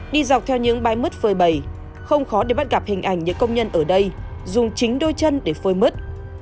đi dọc theo những bài mứt phơi bầy không khó để bắt gặp hình ảnh những công nhân ở đây dùng chính đôi chân để phơi mứt